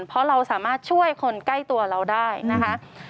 เพราะเราสามารถช่วยคนใกล้ตัวเราได้นะคะ